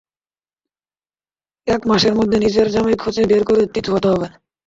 এক মাসের মধ্যে নিজের জামাই খুঁজে বের করে থিতু হতে হবে।